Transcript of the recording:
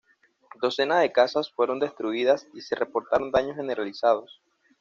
Docenas de casas fueron destruidas y se reportaron daños generalizados.